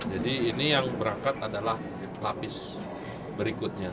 jadi ini yang berangkat adalah lapis berikutnya